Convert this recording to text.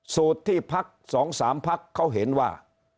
สูตรที่ภักดิ์สองสามภักดิ์เขาเห็นว่า